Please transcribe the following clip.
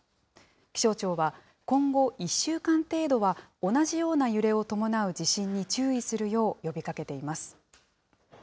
気象庁は、今後１週間程度は同じような揺れを伴う地震に注意するよう呼びかけています。